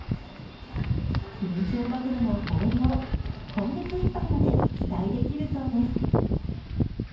ビンチョウマグロの豊漁、今月いっぱいまで期待できるそうです。